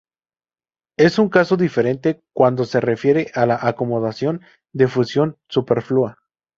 Es un caso diferente cuando se refiere a la acomodación de fusión superflua".